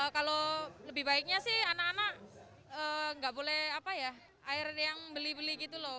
kalau lebih baiknya sih anak anak nggak boleh apa ya air yang beli beli gitu loh